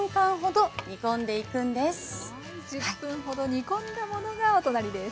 １０分ほど煮込んだものがお隣です。